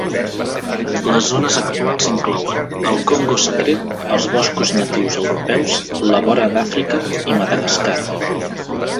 Les zones actuals inclouen: el Congo Secret, els boscos natius europeus, la vora d'Àfrica i Madagascar.